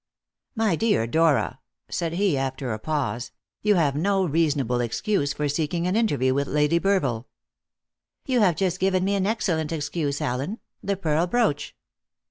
"My dear Dora," said he after a pause, "you have no reasonable excuse for seeking an interview with Lady Burville." "You have just given me an excellent excuse, Allen the pearl brooch."